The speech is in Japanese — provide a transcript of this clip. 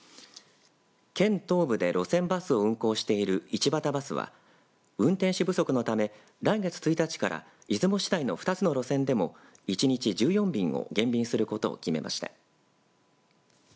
県東部で路線バスを運行している一畑バスは運転手不足のため、来月１日から出雲市内の２つの路線でも一日１４便を減便することを決めました。